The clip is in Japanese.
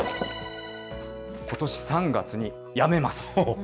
ことし３月にやめます。